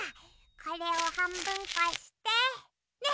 これをはんぶんこしてねえ